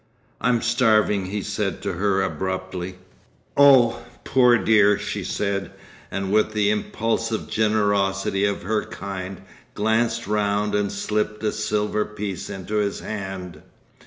'I'm starving,' he said to her abruptly. 'Oh! poor dear!' she said; and with the impulsive generosity of her kind, glanced round and slipped a silver piece into his hand....